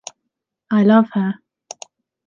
I love her.